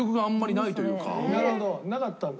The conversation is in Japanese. なるほどなかったんだ。